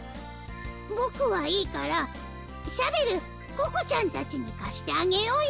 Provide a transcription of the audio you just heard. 僕はいいからシャベルココちゃんたちに貸してあげようよ。